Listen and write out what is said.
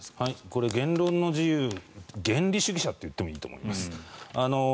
これ言論の自由原理主義者と言ってもいいと思います。